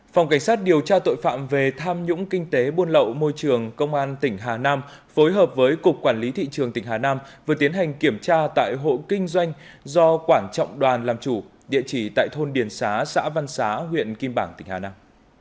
phòng cảnh sát điều tra tội phạm về tham nhũng kinh tế buôn lậu môi trường công an tỉnh hà nam phối hợp với cục quản lý thị trường tỉnh hà nam vừa tiến hành kiểm tra tại hộ kinh doanh do quản trọng đoàn làm chủ địa chỉ tại thôn điền xá xã văn xá huyện kim bảng tỉnh hà nam